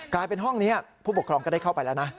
กลายเป็นห้องนี้ผู้ปกครองก็ได้เข้าไปแล้วนะ